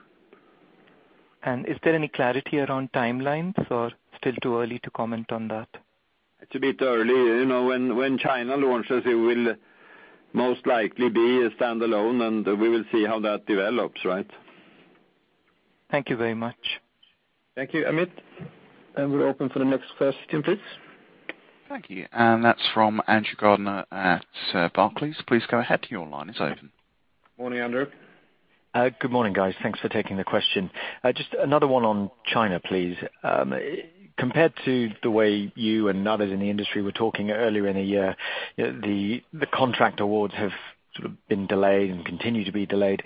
[SPEAKER 13] Is there any clarity around timelines or still too early to comment on that?
[SPEAKER 3] It's a bit early. When China launches, it will most likely be a standalone, and we will see how that develops, right?
[SPEAKER 13] Thank you very much.
[SPEAKER 2] Thank you, Amit. We're open for the next question, please.
[SPEAKER 1] Thank you. That's from Andrew Gardiner at Barclays. Please go ahead. Your line is open.
[SPEAKER 2] Morning, Andrew.
[SPEAKER 14] Good morning, guys. Thanks for taking the question. Just another one on China, please. Compared to the way you and others in the industry were talking earlier in the year, the contract awards have sort of been delayed and continue to be delayed.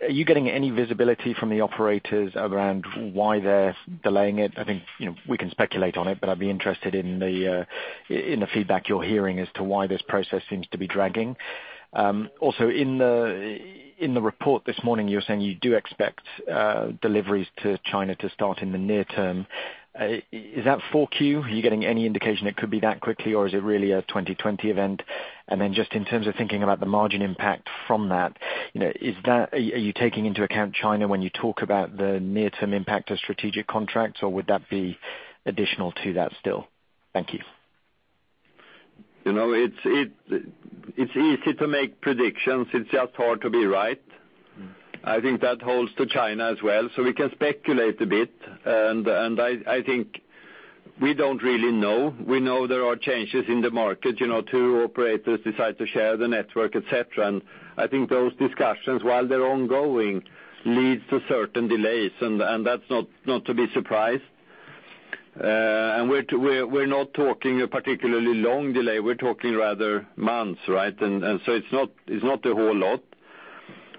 [SPEAKER 14] Are you getting any visibility from the operators around why they're delaying it? I think we can speculate on it, but I'd be interested in the feedback you're hearing as to why this process seems to be dragging. Also, in the report this morning, you were saying you do expect deliveries to China to start in the near term. Is that 4Q? Are you getting any indication it could be that quickly, or is it really a 2020 event? Just in terms of thinking about the margin impact from that, are you taking into account China when you talk about the near-term impact of strategic contracts, or would that be additional to that still? Thank you.
[SPEAKER 3] It's easy to make predictions. It's just hard to be right. I think that holds to China as well. We can speculate a bit, and I think we don't really know. We know there are changes in the market, two operators decide to share the network, et cetera, and I think those discussions, while they're ongoing, leads to certain delays, and that's not to be surprised. We're not talking a particularly long delay. We're talking rather months, right? It's not a whole lot.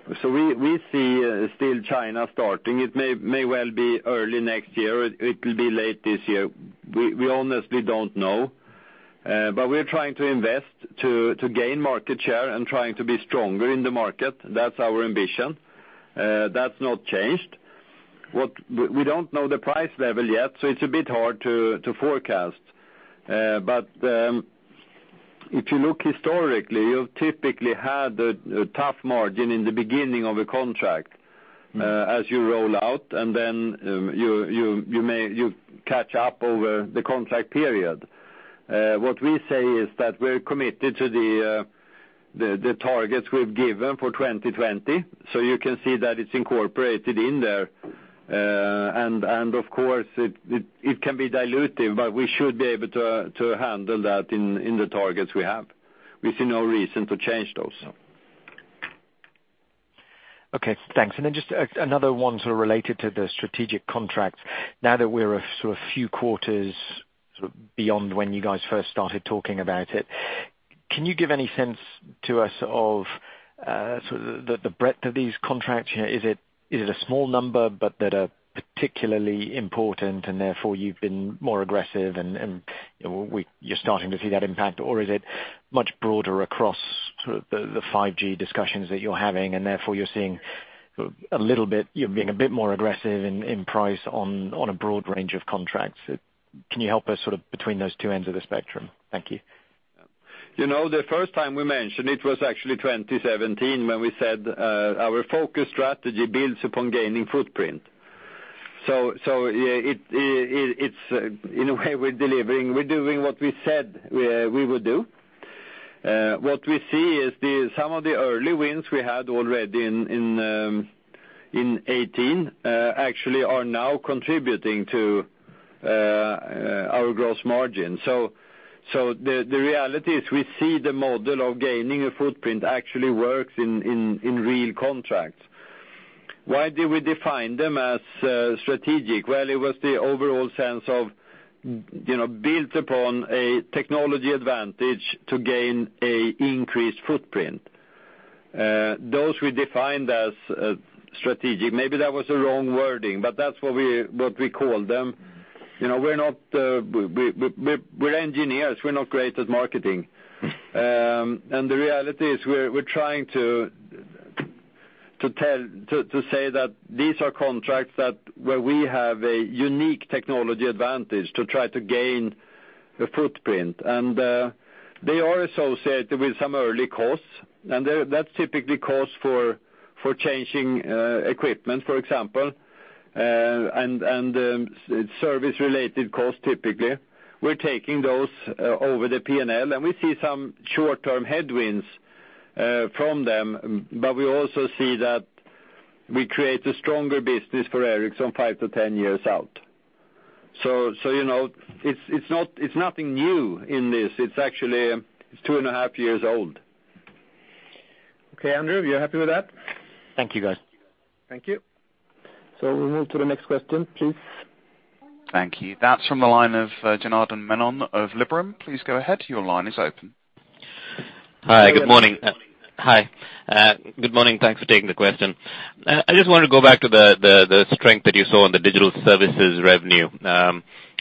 [SPEAKER 3] We see still China starting. It may well be early next year, it will be late this year. We honestly don't know. We're trying to invest to gain market share and trying to be stronger in the market. That's our ambition. That's not changed. We don't know the price level yet, so it's a bit hard to forecast. If you look historically, you've typically had a tough margin in the beginning of a contract, as you roll out, and then you catch up over the contract period. What we say is that we're committed to the targets we've given for 2020. You can see that it's incorporated in there. Of course, it can be dilutive, but we should be able to handle that in the targets we have. We see no reason to change those.
[SPEAKER 14] Okay, thanks. Just another one sort of related to the strategic contracts. Now that we're a few quarters sort of beyond when you guys first started talking about it, can you give any sense to us of sort of the breadth of these contracts? Is it a small number but that are particularly important and therefore you've been more aggressive, and you're starting to see that impact, or is it much broader across sort of the 5G discussions that you're having, and therefore you're seeing you're being a bit more aggressive in price on a broad range of contracts? Can you help us sort of between those two ends of the spectrum? Thank you.
[SPEAKER 3] The first time we mentioned it was actually 2017 when we said our focus strategy builds upon gaining footprint. In a way, we're delivering, we're doing what we said we would do. What we see is some of the early wins we had already in 2018 actually are now contributing to our gross margin. The reality is we see the model of gaining a footprint actually works in real contracts. Why did we define them as strategic? It was the overall sense of built upon a technology advantage to gain a increased footprint. Those we defined as strategic. Maybe that was the wrong wording, but that's what we call them. We're engineers, we're not great at marketing. The reality is we're trying to say that these are contracts where we have a unique technology advantage to try to gain a footprint. They are associated with some early costs, and that's typically costs for changing equipment, for example, and service-related costs, typically. We're taking those over the P&L, and we see some short-term headwinds from them. We also see that we create a stronger business for Ericsson five to 10 years out. It's nothing new in this. It's actually two and a half years old.
[SPEAKER 2] Okay, Andrew, are you happy with that?
[SPEAKER 14] Thank you, guys.
[SPEAKER 2] Thank you. We'll move to the next question, please.
[SPEAKER 1] Thank you. That's from the line of Janardan Menon of Liberum. Please go ahead. Your line is open.
[SPEAKER 15] Hi, good morning. Thanks for taking the question. I just wanted to go back to the strength that you saw on the digital services revenue.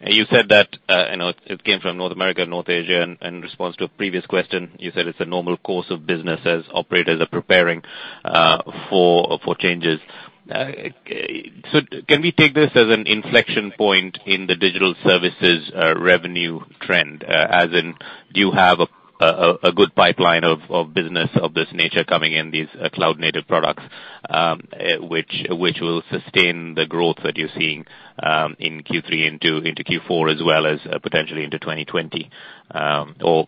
[SPEAKER 15] You said that it came from North America and North Asia, and in response to a previous question, you said it's a normal course of business as operators are preparing for changes. Can we take this as an inflection point in the digital services revenue trend, as in, do you have a good pipeline of business of this nature coming in these cloud-native products, which will sustain the growth that you're seeing in Q3 into Q4 as well as potentially into 2020?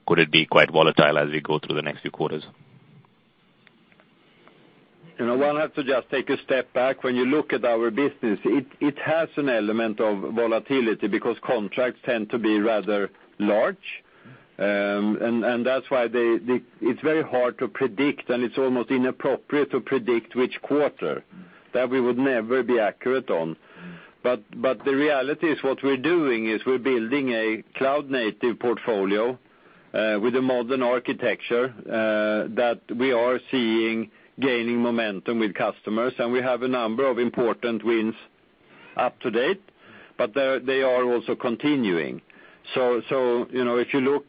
[SPEAKER 15] Could it be quite volatile as we go through the next few quarters?
[SPEAKER 3] One has to just take a step back. When you look at our business, it has an element of volatility because contracts tend to be rather large. That's why it's very hard to predict, and it's almost inappropriate to predict which quarter. That we would never be accurate on. The reality is what we're doing is we're building a cloud-native portfolio with a modern architecture that we are seeing gaining momentum with customers, and we have a number of important wins up to date. They are also continuing. If you look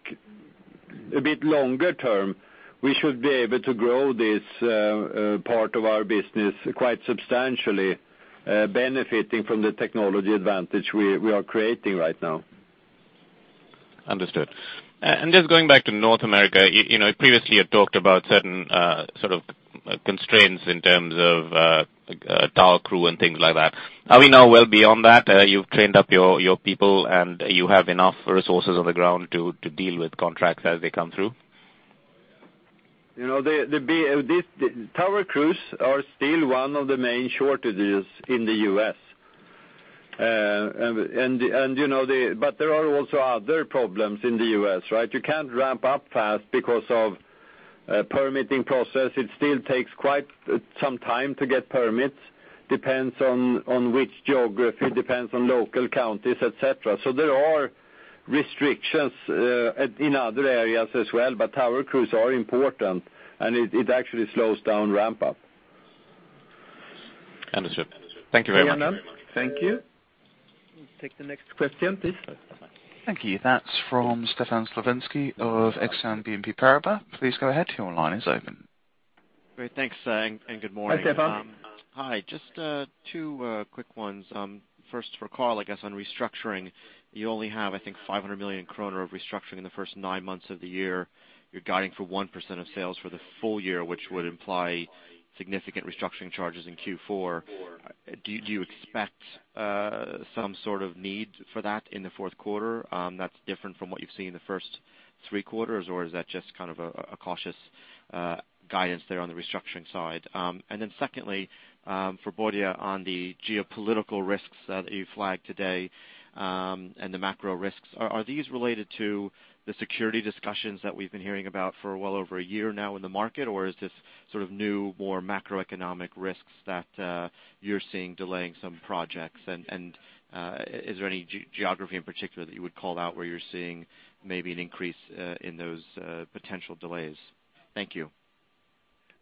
[SPEAKER 3] a bit longer term, we should be able to grow this part of our business quite substantially, benefiting from the technology advantage we are creating right now.
[SPEAKER 15] Understood. Just going back to North America, previously you had talked about certain sort of constraints in terms of tower crew and things like that. Are we now well beyond that? You've trained up your people, and you have enough resources on the ground to deal with contracts as they come through?
[SPEAKER 3] The tower crews are still one of the main shortages in the U.S. There are also other problems in the U.S., right? You can't ramp up fast because of permitting process. It still takes quite some time to get permits, depends on which geography, depends on local counties, et cetera. There are restrictions in other areas as well, but tower crews are important, and it actually slows down ramp up.
[SPEAKER 15] Understood. Thank you very much.
[SPEAKER 2] Thank you. We'll take the next question, please.
[SPEAKER 1] Thank you. That's from Stefan Slowinski of Exane BNP Paribas. Please go ahead. Your line is open.
[SPEAKER 16] Great. Thanks, and good morning.
[SPEAKER 2] Hi, Stefan.
[SPEAKER 16] Hi. Just two quick ones. First for Carl, I guess, on restructuring. You only have, I think 500 million kronor of restructuring in the first nine months of the year. You're guiding for 1% of sales for the full year, which would imply significant restructuring charges in Q4. Do you expect some sort of need for that in the fourth quarter, that's different from what you've seen in the first three quarters, or is that just a cautious guidance there on the restructuring side? Secondly, for Börje, on the geopolitical risks that you flagged today, and the macro risks. Are these related to the security discussions that we've been hearing about for well over a year now in the market, or is this sort of new, more macroeconomic risks that you're seeing delaying some projects? Is there any geography in particular that you would call out where you're seeing maybe an increase in those potential delays? Thank you.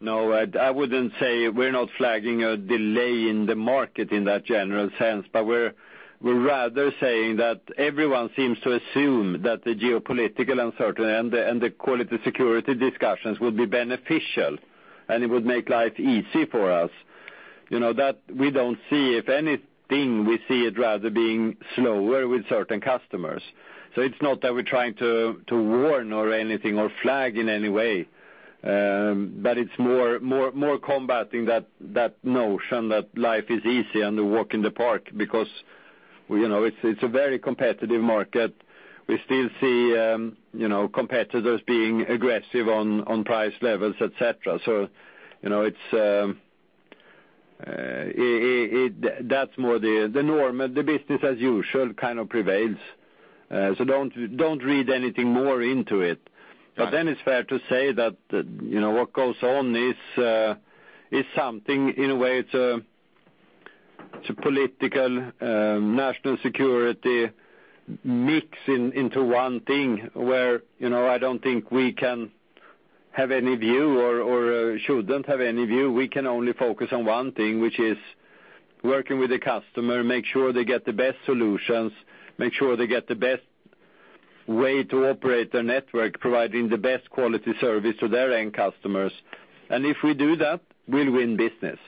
[SPEAKER 3] I wouldn't say we're not flagging a delay in the market in that general sense, but we're rather saying that everyone seems to assume that the geopolitical uncertainty and the quality security discussions will be beneficial, and it would make life easy for us. That we don't see. If anything, we see it rather being slower with certain customers. It's not that we're trying to warn or anything, or flag in any way, but it's more combating that notion that life is easy and a walk in the park, because it's a very competitive market. We still see competitors being aggressive on price levels, et cetera, so that's more the norm. The business as usual kind of prevails, so don't read anything more into it.
[SPEAKER 16] Got it.
[SPEAKER 3] It's fair to say that what goes on is something, in a way, it's a political national security mix into one thing where I don't think we can have any view or shouldn't have any view. We can only focus on one thing, which is working with the customer, make sure they get the best solutions, make sure they get the best way to operate their network, providing the best quality service to their end customers. If we do that, we'll win business.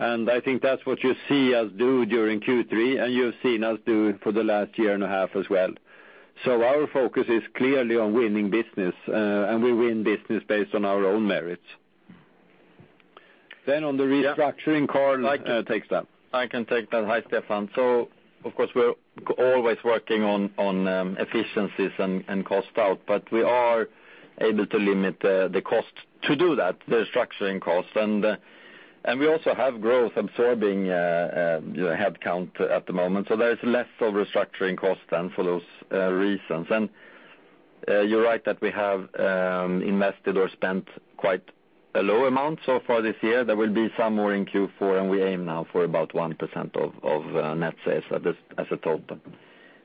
[SPEAKER 3] I think that's what you see us do during Q3, and you've seen us do for the last year and a half as well. Our focus is clearly on winning business, and we win business based on our own merits. On the restructuring, Carl can take that. I can take that. Hi, Stefan. Of course, we're always working on efficiencies and cost out, but we are able to limit the cost to do that, the restructuring cost, and we also have growth absorbing headcount at the moment. There is less of restructuring cost then for those reasons. You're right that we have invested or spent quite a low amount so far this year. There will be some more in Q4, and we aim now for about 1% of net sales as a total.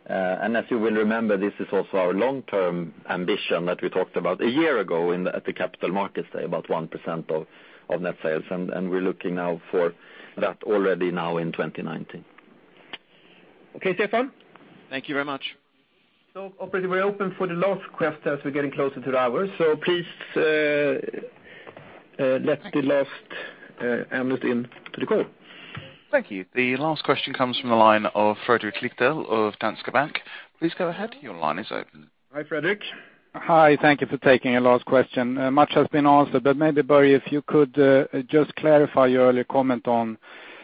[SPEAKER 3] As you will remember, this is also our long-term ambition that we talked about one year ago at the Capital Markets Day, about 1% of net sales. We're looking now for that already now in 2019. Okay, Stefan?
[SPEAKER 16] Thank you very much.
[SPEAKER 2] Operator, we're open for the last question as we're getting closer to the hour. Please let the last analyst in to the call.
[SPEAKER 1] Thank you. The last question comes from the line of Fredrik Lithell of Danske Bank. Please go ahead, your line is open.
[SPEAKER 3] Hi, Fredrik.
[SPEAKER 17] Hi. Thank you for taking a last question. Much has been answered, but maybe, Börje, if you could just clarify your earlier comment on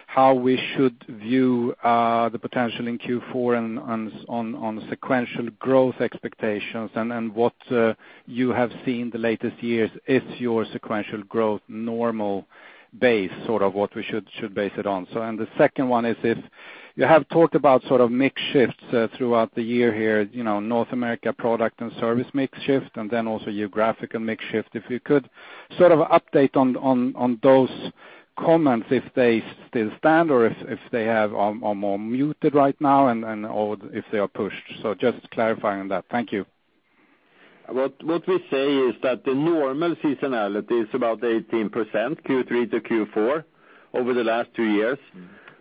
[SPEAKER 17] how we should view the potential in Q4 on sequential growth expectations, and what you have seen the latest years is your sequential growth normal base, sort of what we should base it on. The second one is, you have talked about sort of mix shifts throughout the year here, North America product and service mix shift, and then also geographical mix shift. If you could sort of update on those comments, if they still stand or if they are more muted right now, and/or if they are pushed. Just clarifying on that. Thank you.
[SPEAKER 3] What we say is that the normal seasonality is about 18%, Q3 to Q4, over the last two years.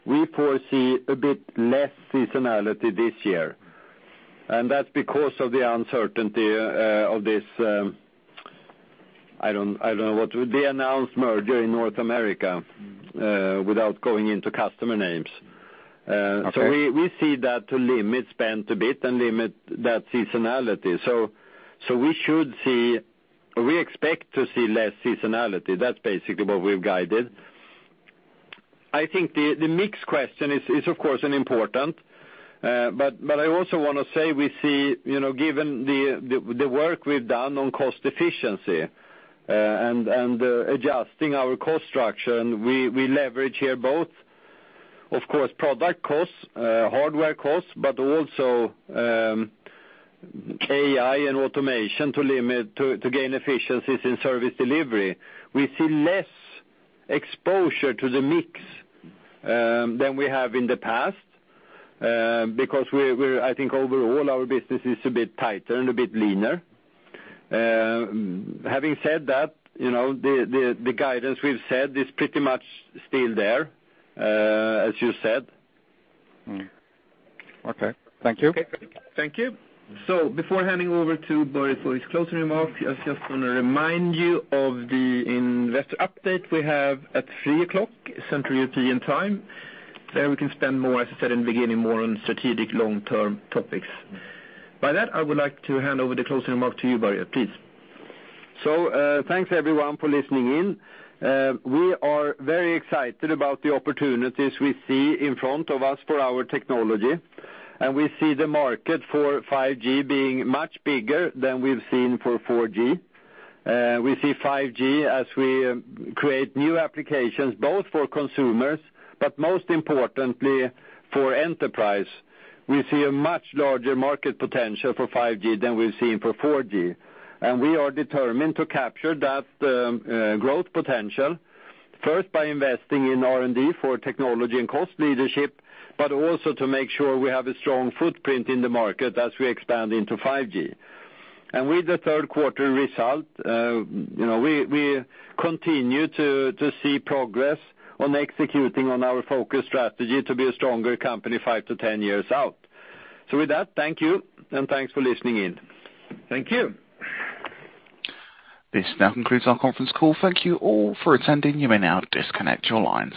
[SPEAKER 3] We foresee a bit less seasonality this year, and that's because of the uncertainty of this, I don't know what, the announced merger in North America, without going into customer names.
[SPEAKER 17] Okay.
[SPEAKER 3] We see that to limit spend a bit and limit that seasonality. We expect to see less seasonality. That's basically what we've guided. I think the mix question is of course important. I also want to say we see, given the work we've done on cost efficiency and adjusting our cost structure, and we leverage here both, of course, product costs, hardware costs, but also AI and automation to gain efficiencies in service delivery. We see less exposure to the mix than we have in the past, because I think overall our business is a bit tighter and a bit leaner. Having said that, the guidance we've said is pretty much still there, as you said.
[SPEAKER 17] Okay. Thank you.
[SPEAKER 2] Thank you. Before handing over to Börje for his closing remarks, I just want to remind you of the investor update we have at 3:00 P.M., Central European time. There we can spend more, as I said in the beginning, more on strategic long-term topics. By that, I would like to hand over the closing remark to you, Börje, please.
[SPEAKER 3] Thanks everyone for listening in. We are very excited about the opportunities we see in front of us for our technology, and we see the market for 5G being much bigger than we've seen for 4G. We see 5G as we create new applications both for consumers, but most importantly for enterprise. We see a much larger market potential for 5G than we've seen for 4G, and we are determined to capture that growth potential, first by investing in R&D for technology and cost leadership, but also to make sure we have a strong footprint in the market as we expand into 5G. With the third quarter result, we continue to see progress on executing on our focus strategy to be a stronger company five to 10 years out. With that, thank you, and thanks for listening in.
[SPEAKER 2] Thank you.
[SPEAKER 1] This now concludes our conference call. Thank you all for attending. You may now disconnect your lines.